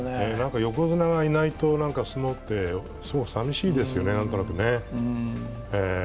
横綱がいないと、相撲って寂しいですよね、何となくね。